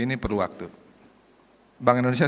ini perlu waktu bank indonesia